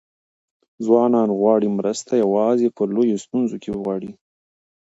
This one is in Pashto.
ځوانان غواړي مرسته یوازې په لویو ستونزو کې وغواړي.